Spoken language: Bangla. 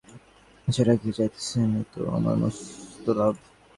এমন মেয়েটিকে আপনি যে আমার কাছে রাখিয়া যাইতেছেন, এ তো আমার মস্ত লাভ।